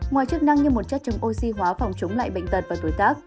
ngoài chức năng như một chất chống oxy hóa phòng chống lại bệnh tật và tuổi tác